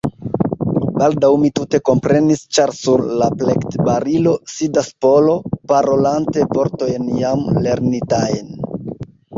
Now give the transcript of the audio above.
Baldaŭ mi tute komprenis; ĉar, sur la plektbarilo, sidas Polo, parolante vortojn jam lernitajn.